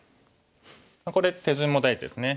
これ手順も大事ですね。